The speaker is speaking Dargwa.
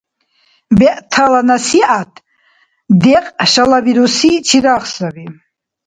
БегӀтала насихӀят дякь шалабируси чирагъ саби.